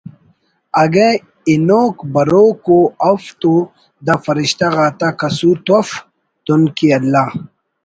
اگہ ہنوک بروک ءُ اف تو دا فرشتہ غاتا قصور تو اف) دن کہ اللہ